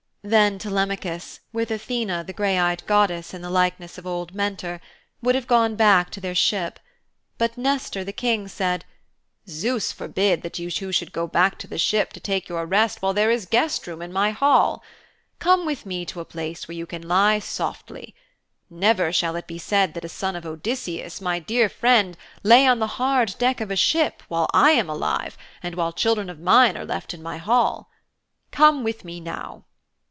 Then Telemachus, with Athene, the grey eyed goddess in the likeness of old Mentor, would have gone back to their ship, but Nestor the King said, 'Zeus forbid that you two should go back to the ship to take your rest while there is guest room in my hall. Come with me to a place where you can lie softly. Never shall it be said that a son of Odysseus, my dear friend, lay on the hard deck of a ship while I am alive and while children of mine are left in my hall. Come with me now.'